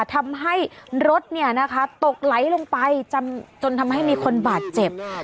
ทำให้รถตกไหลลงไปจนทำให้มีคนบาดเจ็บ